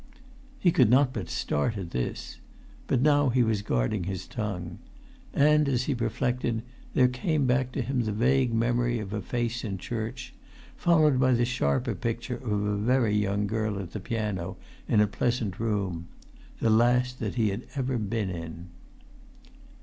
He could not but start at this. But now he was guarding his tongue. And, as he reflected, there came back to him the vague memory of a face in church, followed by the sharper picture of a very young girl at the piano in a pleasant room—the last that he had ever been in.